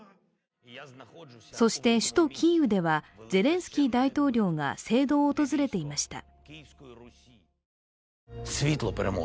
そして首都キーウではゼレンスキー大統領が聖堂を訪れていました。